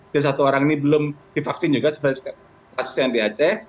dan satu orang ini belum divaksin juga sebagus kasus yang di aceh